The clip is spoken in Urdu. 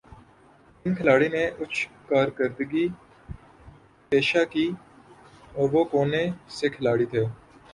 کن کھلاڑی نے اچھ کارکردگی پیشہ کی اور وہ کونہ سے کھلاڑی تھے